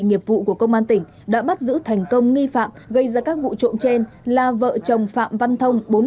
nghiệp vụ của công an tp đắk lắk đã bắt giữ thành công nghi phạm gây ra các vụ trộm trên là vợ chồng phạm văn thông